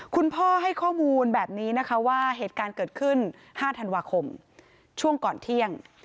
คุณพ่อให้ข้อมูลแบบนี้นะคะว่าเหตุการณ์เกิดขึ้น๕ธันวาคมช่วงก่อนเที่ยง